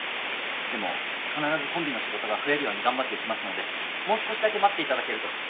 でも必ずコンビの仕事が増えるように頑張っていきますのでもう少しだけ待って頂けると。